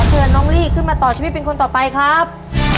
เชิญน้องลี่ขึ้นมาต่อชีวิตเป็นคนต่อไปครับ